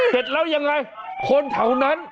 เสร็จแล้วยังไงคนแถวนั้น